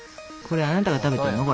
これあなたが食べてるの？